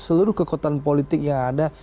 seluruh kekuatan politik yang ada